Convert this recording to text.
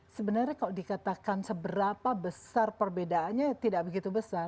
sebenarnya kalau dikatakan seberapa besar perbedaannya tidak begitu besar